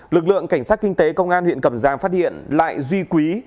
lực lượng cảnh sát kinh tế công an huyện cầm giang phát hiện lại duy quý